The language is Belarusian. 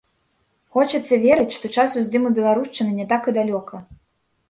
Хочацца верыць, што час уздыму беларушчыны не так і далёка.